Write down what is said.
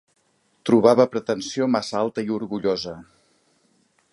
Trobava pretensió massa alta i orgullosa